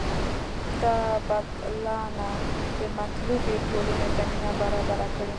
دا بدلانه د مطلوبې ټولنې زمینه برابره کړي.